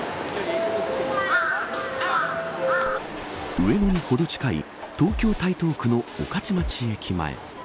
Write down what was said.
上野にほど近い東京、台東区の御徒町駅前。